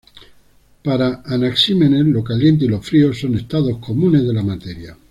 Para Anaxímenes lo caliente y lo frío son estados comunes de la materia.